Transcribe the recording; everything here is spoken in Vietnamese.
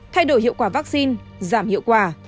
thay đổi hiệu quả vaccine giảm hiệu quả